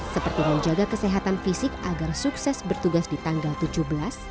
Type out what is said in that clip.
seperti menjaga kesehatan fisik agar sukses bertugas di tanggal tujuh belas